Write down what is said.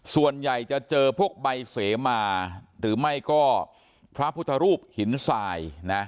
ส่วนใหญ่จะเจอพวกใบเสมาหรือไม่ก็พระพุทธรูปหินทรายนะ